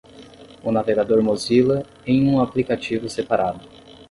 O navegador Mozilla, em um aplicativo separado.